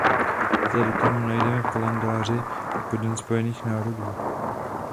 Toto datum najdeme v kalendáři jako Den Spojených národů.